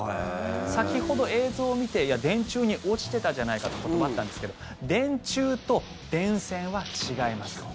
先ほど映像見ていや、電柱に落ちてたじゃないかということもあったんですけど電柱と電線は違います。